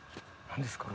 何ですか？